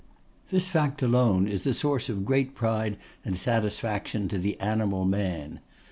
This fact alone is a source of great pride and satisfaction to the animal Man.